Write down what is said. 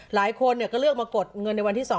หลายคนก็เลือกมากดเงินในวันที่๒